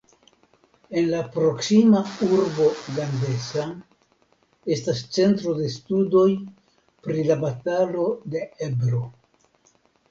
En la proksima urbo Gandesa estas Centro de Studoj pri la Batalo de Ebro.